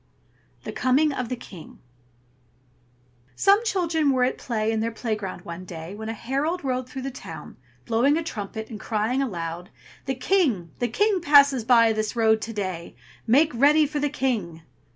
THE COMING OF THE KING Some children were at play in their play ground one day, when a herald rode through the town, blowing a trumpet, and crying aloud, "The King! the King passes by this road to day. Make ready for the King!"